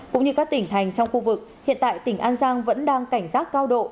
cũng như các tỉnh thành trong khu vực hiện tại tỉnh an giang vẫn đang cảnh giác cao độ